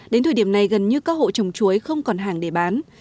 đến thời điểm này gần như các hộ trồng chuối không còn hàng để bán